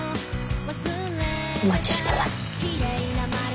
お待ちしてます。